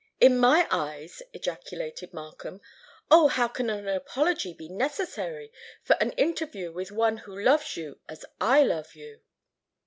"In my eyes!" ejaculated Markham. "Oh! how can an apology be necessary for an interview with one who loves you as I love you?"